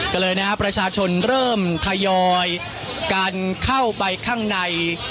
ก็เลยนะครับประชาชนเริ่มทยอยการเข้าไปข้างใน